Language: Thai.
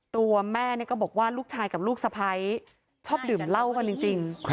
ตัวแม่ก็บอกว่าลูกชายกับลูกสะพ้ายชอบดื่มเหล้ากันจริง